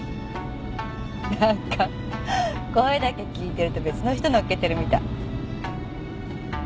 何か声だけ聞いてると別の人乗っけてるみたい。